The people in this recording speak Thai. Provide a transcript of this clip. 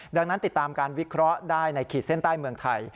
ดังนั้นติดตามการวิเคราะห์ได้ในขีดเส้นใต้เมืองไทย